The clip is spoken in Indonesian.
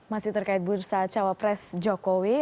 masih terkait bursa cawa pres jokowi